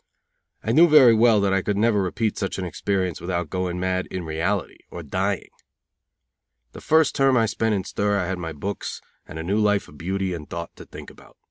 I knew very well that I could never repeat such an experience without going mad in reality; or dying. The first term I spent in stir I had my books and a new life of beauty and thought to think about.